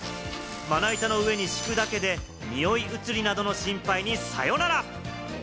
まな板の上に敷くだけで、臭い移りなどの心配にサヨナラ！